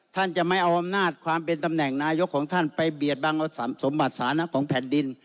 ท่านจะไม่เอาอำนาจความเป็นตำแหน่งนายกของท่านไปเบียดบังสมบัติสานะของแผ่นดิน